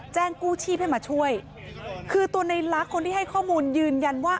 แจ้งกู้ชีพให้มาช่วยคือตัวในลักษณ์คนที่ให้ข้อมูลยืนยันว่า